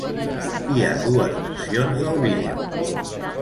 Hi ha dues versions del vídeo.